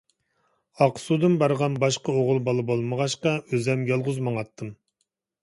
ئاقسۇدىن بارغان باشقا ئوغۇل بالا بولمىغاچقا، ئۆزۈم يالغۇز ماڭاتتىم.